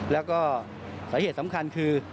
แล้วก็สาเหตุสำคัญคือ